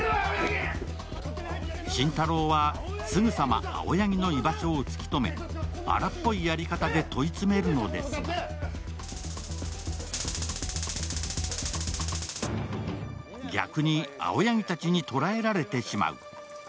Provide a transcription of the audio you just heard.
心太朗はすぐさま青柳の居場所を突き止め、荒っぽいやり方で問い詰めるのですが逆に青柳たちに捕らえられてしまう。